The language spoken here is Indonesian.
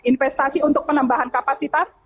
investasi untuk penambahan kapasitas